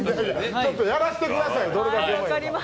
ちょっとやらせてください。